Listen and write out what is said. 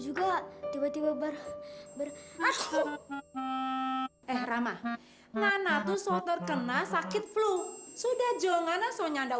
juga tiba tiba berhubungan eh rama mana tuh sotor kena sakit flu sudah jongana sonya ndak